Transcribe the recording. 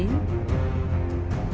không người quản lý